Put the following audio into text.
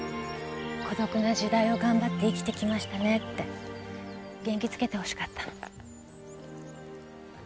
孤独な時代を頑張って生きてきましたねって元気づけてほしかったの。